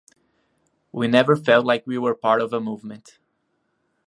We never felt like we were part of a movement.